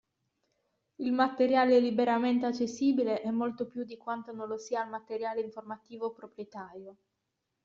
Il materiale liberamente accessibile è molto più di quanto non lo sia il materiale informativo proprietario.